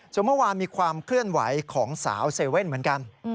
ส่วนเมื่อวานมีความเคลื่อนไหวของสาวเซเว่นเหมือนกัน